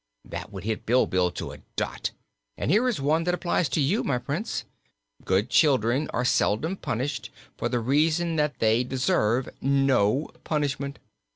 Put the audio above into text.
That would hit Bilbil, to a dot. And here is one that applies to you, my Prince: 'Good Children are seldom punished, for the reason that they deserve no punishment.'